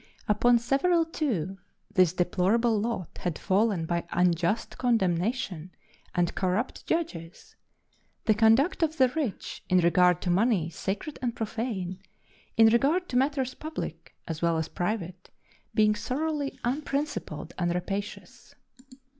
Upon several, too, this deplorable lot had fallen by unjust condemnation and corrupt judges; the conduct of the rich, in regard to money sacred and profane, in regard to matters public as well as private, being thoroughly unprincipled and rapacious.